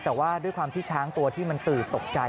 แต่ว่าด้วยความที่ช้างตัวที่มันตื่นตกใจ